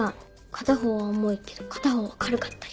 片方は重いけど片方は軽かったり。